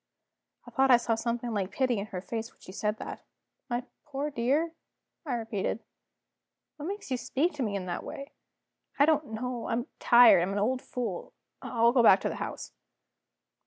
I thought I saw something like pity in her face when she said that. "My poor dear?" I repeated. "What makes you speak to me in that way?" "I don't know I'm tired; I'm an old fool I'll go back to the house."